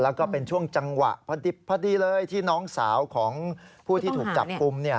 แล้วก็เป็นช่วงจังหวะพอดีเลยที่น้องสาวของผู้ที่ถูกจับกลุ่ม